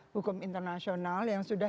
hukum internasional yang sudah